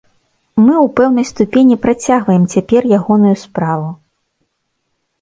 Мы ў пэўнай ступені працягваем цяпер ягоную справу.